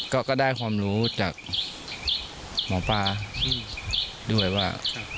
ก็ได้ความรู้จากหมอปลาด้วยว่า